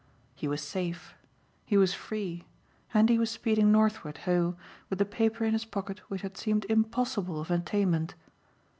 He was safe. He was free; and he was speeding northward ho with the paper in his pocket which had seemed impossible of attainment.